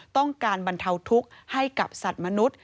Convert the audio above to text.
ต้องการบรรเทาทุกข์ให้กับสัตว์มนุษย์